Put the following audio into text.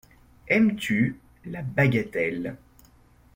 Aimes-tu la bagatelle ?